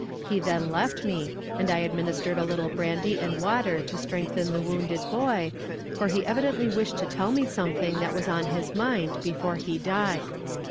He then left me, and I administered a little brandy and water to strengthen the wounded boy, for he evidently wished to tell me something that was on his mind before he died.